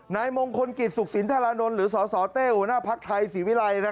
นายมงคลกิจสุขศิลป์ธารณนท์หรือสสเต้อภักดิ์ไทยศรีวิรัย